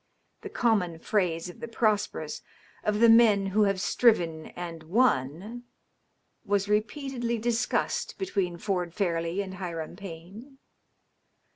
The common phrase of the prosperous — of the men who have striven and won — was repeatedly discussed between Ford Fairleigh and Hiram Payne.